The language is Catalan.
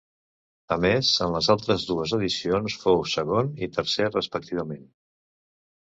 A més, en les altres dues edicions fou segon i tercer respectivament.